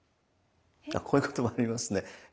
こういうこともありますね。